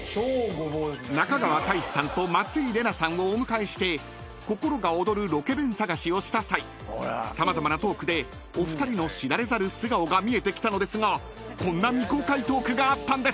［中川大志さんと松井玲奈さんをお迎えして心が躍るロケ弁探しをした際様々なトークでお二人の知られざる素顔が見えてきたのですがこんな未公開トークがあったんです］